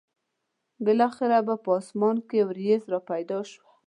بالاخره به په اسمان کې ورېځ را پیدا شوه.